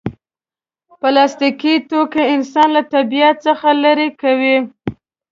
پلاستيکي توکي انسان له طبیعت څخه لرې کوي.